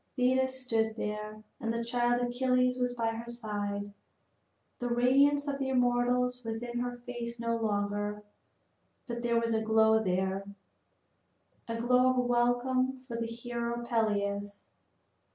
Thetis stood there, and the child Achilles was by her side. The radiance of the immortals was in her face no longer, but there was a glow there, a glow of welcome for the hero Peleus.